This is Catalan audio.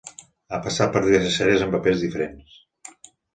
Ha passat per diverses sèries amb papers diferents.